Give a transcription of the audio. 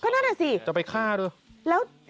นั่นอ่ะสิจะไปฆ่าด้วย